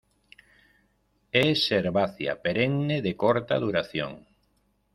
Es herbácea, perenne de corta duración.